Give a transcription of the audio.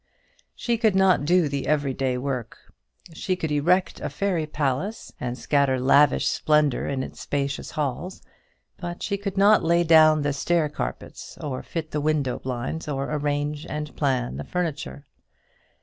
She could not do the every day work; she could erect a fairy palace, and scatter lavish splendour in its spacious halls; but she could not lay down the stair carpets, or fit the window blinds, or arrange the planned furniture.